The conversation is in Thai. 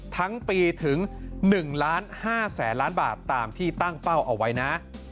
ทั้งปีถึง๑ล้าน๕แสนล้านบาทตามที่ตั้งเป้าเอาไว้นะ